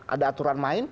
ada aturan main